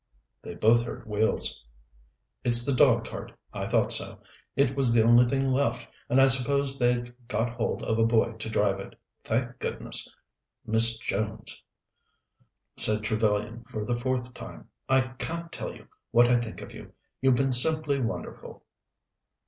They both heard wheels. "It's the dog cart. I thought so. It was the only thing left, and I suppose they've got hold of a boy to drive it. Thank goodness! Miss Jones," said Trevellyan for the fourth time, "I can't tell you what I think of you; you've been simply wonderful."